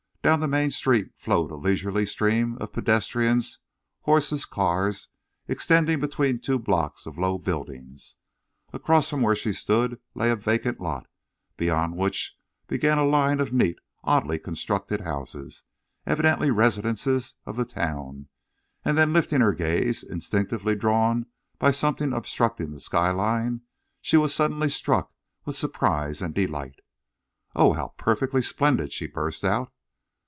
Down the main street flowed a leisurely stream of pedestrians, horses, cars, extending between two blocks of low buildings. Across from where she stood lay a vacant lot, beyond which began a line of neat, oddly constructed houses, evidently residences of the town. And then lifting her gaze, instinctively drawn by something obstructing the sky line, she was suddenly struck with surprise and delight. "Oh! how perfectly splendid!" she burst out.